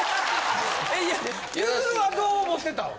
いやゆずるはどう思ってたわけ？